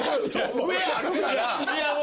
上あるから。